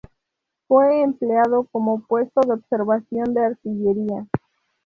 Fue empleado como puesto de observación de artillería.